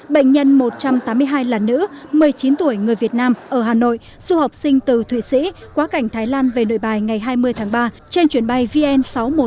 bệnh nhân một trăm tám mươi hai là nữ một mươi chín tuổi người việt nam ở hà nội du học sinh từ thụy sĩ quá cảnh thái lan về nội bài ngày hai mươi tháng ba trên chuyến bay vn sáu trăm một mươi hai